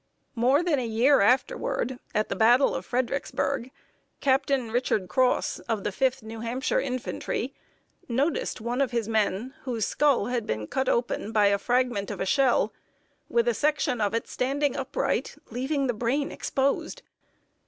More than a year afterward, at the battle of Fredericksburg, Captain Richard Cross, of the Fifth New Hampshire Infantry, noticed one of his men whose skull had been cut open by the fragment of a shell, with a section of it standing upright, leaving the brain exposed.